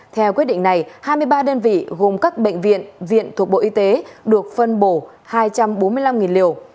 theo quyết định này hai mươi ba đơn vị gồm các bệnh viện viện thuộc bộ y tế được phân bổ hai trăm bốn mươi năm liều